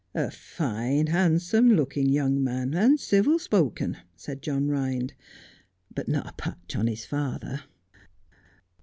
' A fine, handsome looking young man, and civil spoken/ said John Ehind, ' but not a patch upon his father.'